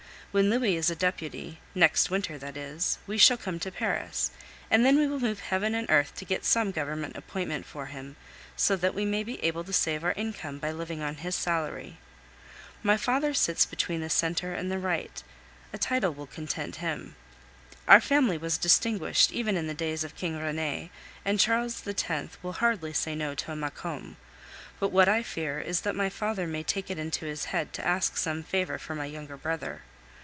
When Louis is a deputy next winter that is we shall come to Paris, and then we will move heaven and earth to get some Government appointment for him, so that we may be able to save our income by living on his salary. My father sits between the centre and the right; a title will content him. Our family was distinguished even in the days of King Rene, and Charles X. will hardly say no to a Maucombe; but what I fear is that my father may take it into his head to ask some favor for my younger brother.